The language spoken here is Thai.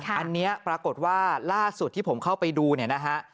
อันนี้ปรากฏว่าล่าสุดที่ผมเข้าไปดูเนี่ยนะฮะ